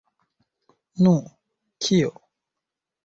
Nu... kio?